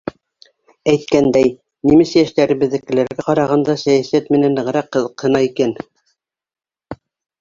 Әйткәндәй, немец йәштәре беҙҙекеләргә ҡарағанда сәйәсәт менән нығыраҡ ҡыҙыҡһына икән.